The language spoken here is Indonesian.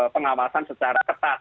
pengawasan secara ketat